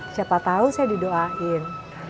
siapa tau saya didoain